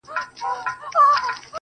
ددغه خلگو په كار، كار مه لره